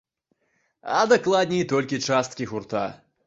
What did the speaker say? А дакладней, толькі часткі гурта.